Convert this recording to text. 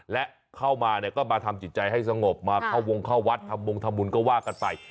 และเข้ามาเนี่ยก็มาทำจิตใจให้สงบมาเข้าวงเข้าวัดทำวงทำบุญก็ว่ากันไป